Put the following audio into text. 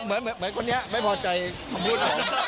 เหมือนคนนี้ไม่พอใจคำพูด